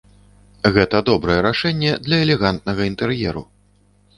Гэта добрае рашэнне для элегантнага інтэр'еру.